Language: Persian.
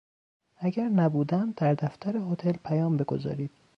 اگر نبودم در دفتر هتل پیام بگذارید.